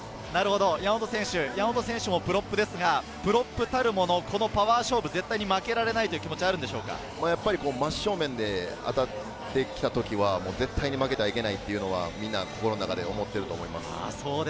山本選手もプロップですが、プロップたるもの、このパワー勝負は絶対に負けられないという気真正面で当たってきた時は絶対に負けてはいけないというのはみんな心の中で思っていると思います。